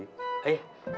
terima kasih pak ustadz